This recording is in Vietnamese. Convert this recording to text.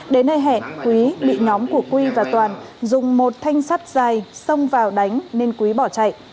đến nơi hẹn quý bị nhóm của quy và toàn dùng một thanh sắt dài xông vào đánh nên quý bỏ chạy